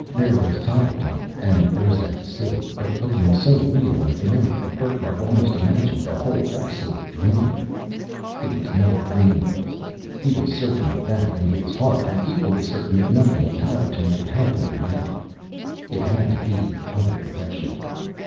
There was Tylerton an ersatz city, but looking so real and familiar that Burckhardt almost imagined the whole episode a dream. It was no dream, though. He was certain of that in his heart and equally certain that nothing in Tylerton could help him now. It had to be the other direction.